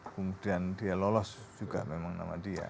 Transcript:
kemudian dia lolos juga memang nama dia